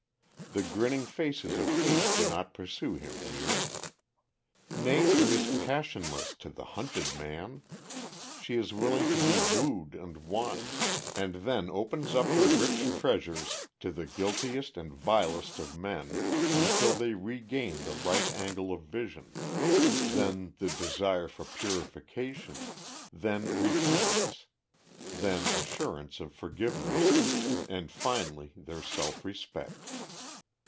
The grinning faces of hate do not pursue him here. Nature is passionless to the hunted man. She is willing to be wooed and won, and then opens up her rich treasures to the guiltiest and vilest of men, until they regain the right angle of vision, then the desire for purification, then repentance, then assurance of forgiveness, and finally their self respect.